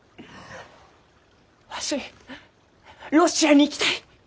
わしロシアに行きたい！